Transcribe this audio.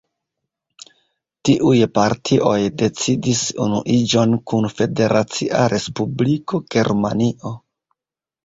Tiuj partioj decidis unuiĝon kun Federacia Respubliko Germanio.